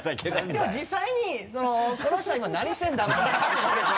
でも実際にこの人は今何してるんだろうなって人とか。